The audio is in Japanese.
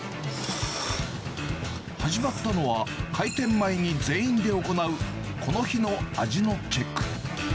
始まったのは、開店前に全員で行うこの日の味のチェック。